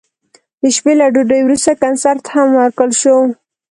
د شپې له ډوډۍ وروسته کنسرت هم ورکړل شو.